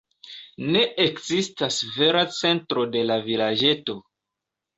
Ne ekzistas vera centro de la vilaĝeto.